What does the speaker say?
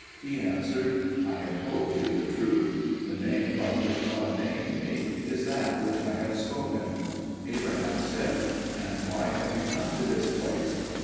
He answered, "I have told you the truth; the name by which God named me is that which I have spoken." Abraham said, "And why have you come to this place?"